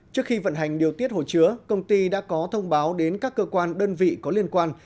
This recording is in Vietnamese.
trước khi vận hành điều tiết hồ chứa công ty đã có thông báo đến các cơ quan đơn vị có liên quan